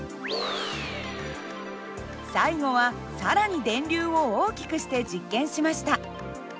最後は更に電流を大きくして実験しました。